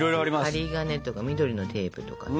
針金とか緑のテープとか。